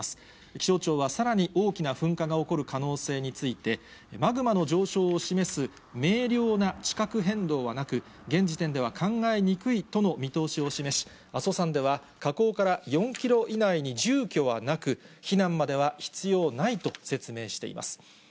気象庁はさらに大きな噴火が起こる可能性について、マグマの上昇を示す明瞭な地殻変動はなく、現時点では考えにくいとの見通しを示し、阿蘇山では、火口から４キロ以内に住居はなく、避難までは必要ないと説明しています。